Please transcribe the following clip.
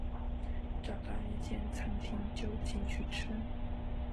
找到一间餐厅就进去吃